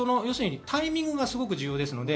タイミングが重要です。